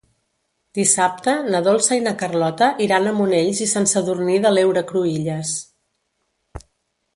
Dissabte na Dolça i na Carlota iran a Monells i Sant Sadurní de l'Heura Cruïlles.